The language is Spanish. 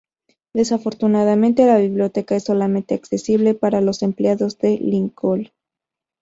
Desafortunadamente, la biblioteca es solamente accesible para los empleados de Lincoln.